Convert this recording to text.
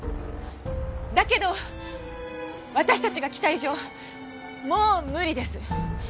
だけど私たちが来た以上もう無理です。